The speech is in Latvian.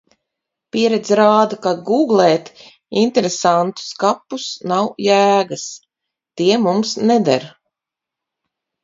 Pieredze rāda, ka gūglēt interesantus kapus nav jēgas. Tie mums neder.